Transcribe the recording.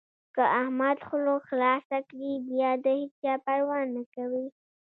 که احمد خوله خلاصه کړي؛ بيا د هيچا پروا نه کوي.